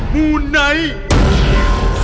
มูไนท์